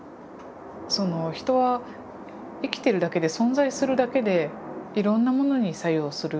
人は生きてるだけで存在するだけでいろんなものに作用する。